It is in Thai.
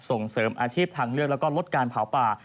ส่งเสริมอาชีพทางเลือกแล้วก็ลดการเผาป่า